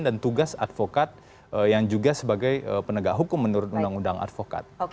tugas advokat yang juga sebagai penegak hukum menurut undang undang advokat